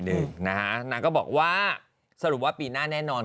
เก่งเก่งเก่งเก่งเก่งเก่ง